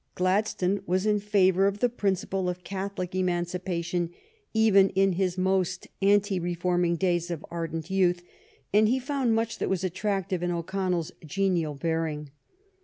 Gladstone was in favor of the principle of Catholic emancipation even in his most anti reforming days of ardent youth, and he found much that was attractive in O'Connells genial bearing.